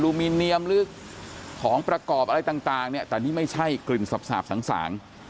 มิเนียมหรือของประกอบอะไรต่างเนี่ยแต่นี่ไม่ใช่กลิ่นสาบสาง